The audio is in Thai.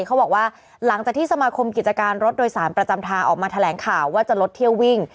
เขาบอกว่าหลังจากที่สมาคมกิจการรถโดยสารประจำทางออกมาแถลงข่าวว่าจะลดเที่ยววิ่ง